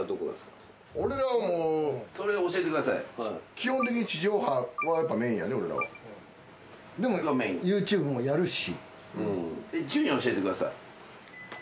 基本的に地上波はやっぱメインやで俺らは。でもＹｏｕＴｕｂｅもやるし。